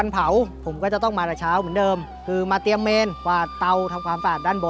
ภอมือแล้วก็